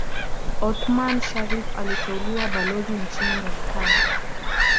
Othman Sharrif aliteuliwa Balozi nchini Marekani